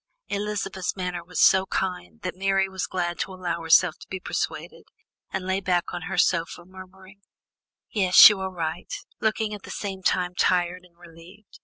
Elizabeth's manner was so kind, that Mary was glad to allow herself to be persuaded, and lay back on her sofa murmuring: "Yes, you are right," looking at the same time tired and relieved.